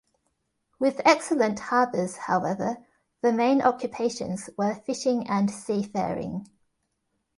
With excellent harbors, however, the main occupations were fishing and seafaring.